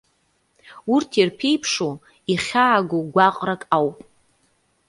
Урҭ ирԥеиԥшу, ихьаагоу гәаҟрак ауп.